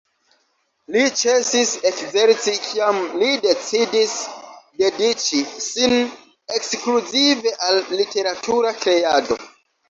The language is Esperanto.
Li ĉesis ekzerci kiam li decidis dediĉi sin ekskluzive al literatura kreado.